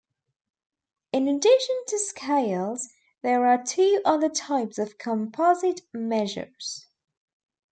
In addition to scales, there are two other types of composite measures.